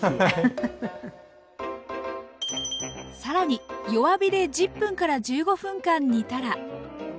更に弱火で１０分から１５分間煮たら。